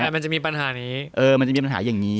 แต่มันจะมีปัญหานี้มันจะมีปัญหาอย่างนี้